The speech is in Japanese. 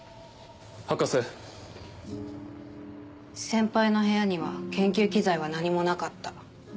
先輩の部屋には研究機材は何もなかった。